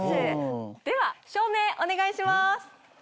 では照明お願いします。